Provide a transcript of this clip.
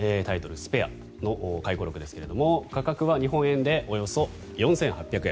「スペア」の回顧録ですが価格は日本円でおよそ４８００円。